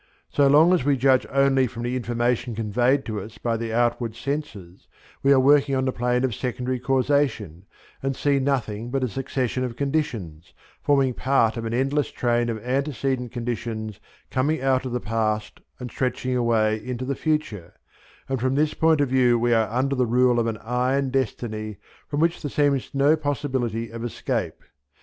So long as we judge only from the information conveyed to us by the outward senses, we are working on the plane of secondary causation and see nothing but a succession of conditions, forming part of an endless train of antecedent conditions coming out of the past and stretching away into the future, and from this point of view we are under the rule of an iron destiny from which there seems no possibility of escape.